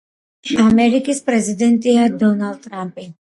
ამერიკის პრეზიდენტია დონალდ ტრამპი